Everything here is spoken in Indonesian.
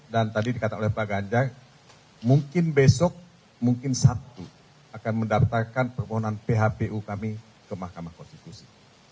dan tadi dikatakan oleh pak ganjar mungkin besok mungkin sabtu akan mendapatkan permohonan phpu kami ke mahkamah konstitusi